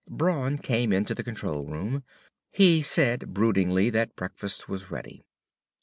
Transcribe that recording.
Brawn came into the control room. He said broodingly that breakfast was ready.